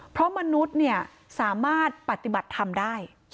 เพราะมนุษย์สามารถปฏิบัติธรรมได้